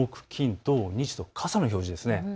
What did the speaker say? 土日と傘の表示です。